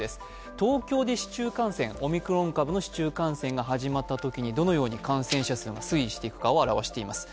東京でオミクロン株の市中感染が始まったとき、どのように感染者数が推移していくかを表しています。